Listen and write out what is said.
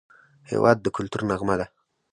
هېواد د کلتور نغمه ده.